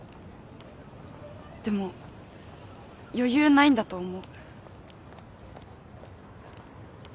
でも余裕ないんだと思う。